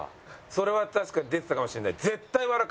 それは確かに出てたかもしれない。